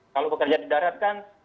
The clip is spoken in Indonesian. kalau bekerja di darat kan